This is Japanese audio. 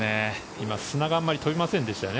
今、砂があまり飛びませんでしたね。